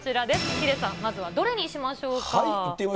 ヒデさん、まずはどれにしましょうか。